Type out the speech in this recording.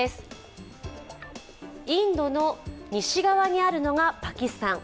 インドの西側にあるのがパキスタン。